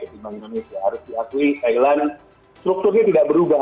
dibanding indonesia harus diakui thailand strukturnya tidak berubah